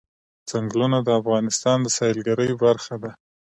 ځنګلونه د افغانستان د سیلګرۍ برخه ده.